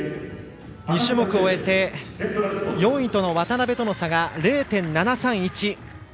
２種目を終えて４位の渡部との差が０．７３１。